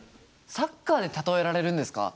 サッカーで例えられるんですか？